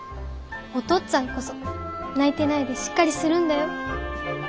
お父っつぁんこそ泣いてないでしっかりするんだよ。